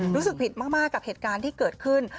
รู้สึกผิดมากกับเหตุการณ์ที่เกิดขึ้น